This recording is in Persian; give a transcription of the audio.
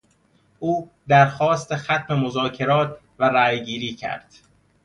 او درخواست ختم مذاکرات و رایگیری کرد.